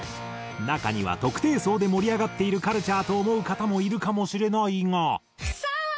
中には特定層で盛り上がっているカルチャーと思う方もいるかもしれないが。